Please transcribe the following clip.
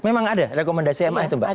memang ada rekomendasi ma itu mbak